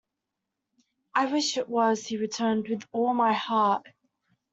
"I wish it was," he returned, "with all my heart."